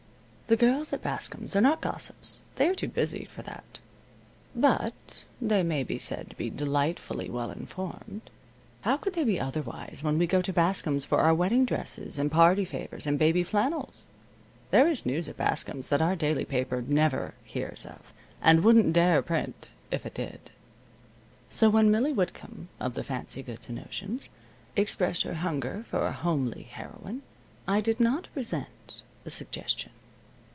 The girls at Bascom's are not gossips they are too busy for that but they may be said to be delightfully well informed. How could they be otherwise when we go to Bascom's for our wedding dresses and party favors and baby flannels? There is news at Bascom's that our daily paper never hears of, and wouldn't dare print if it did. So when Millie Whitcomb, of the fancy goods and notions, expressed her hunger for a homely heroine, I did not resent the suggestion.